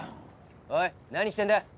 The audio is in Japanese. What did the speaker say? おい何してんだ？